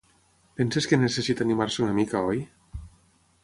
Penses que necessita animar-se una mica, oi?